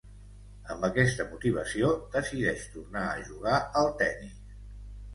Amb aquesta motivació, decideix tornar a jugar al tennis.